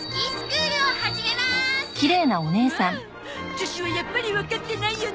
女子はやっぱりわかってないよね。